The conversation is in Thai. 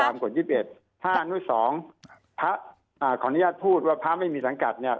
ตามกฎ๒๑ถ้าอันนุสสองพระขออนุญาตพูดว่าพระไม่มีสังกัด